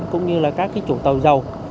cũng như là các chủ tàu dầu